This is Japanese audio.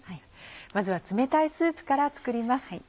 まずは冷たいスープから作ります。